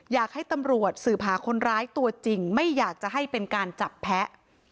อยากให้ตำรวจสืบหาคนร้ายตัวจริงไม่อยากจะให้เป็นการจับแพ้